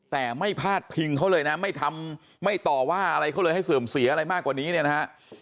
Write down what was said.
แต่ไม่พาดพิงเขาเลยนะไม่ทำไม่ต่อว่าอะไรเขาเลยให้เสื่อมเสียอะไรมากกว่านี้เนี่ยนะฮะ